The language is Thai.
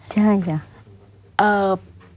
ใช่